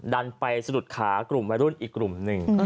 ดันไปสะดุดขากลุ่มวัยรุ่นอีกกลุ่มหนึ่ง